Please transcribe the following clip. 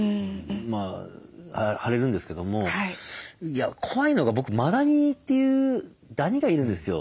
まあ腫れるんですけども怖いのが僕マダニというダニがいるんですよ。